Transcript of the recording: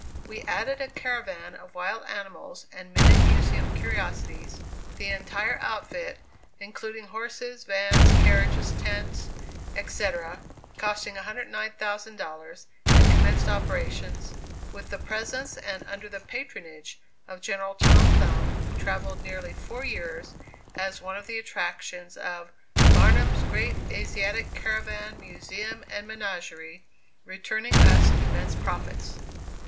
We added a caravan of wild animals and many museum curiosities, the entire outfit, including horses, vans, carriages, tent, etc., costing $109,000, and commenced operations, with the presence and under the "patronage" of General Tom Thumb, who travelled nearly four years as one of the attractions of "Barnum's Great Asiatic Caravan, Museum and Menagerie," returning us immense profits.